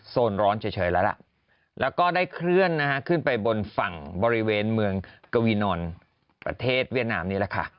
โซนร้อนเฉยแล้วล่ะแล้วก็ได้เคลื่อนนะฮะขึ้นไปบนฝั่งบริเวณเมืองกวีนอนประเทศเวียดนามนี่แหละค่ะ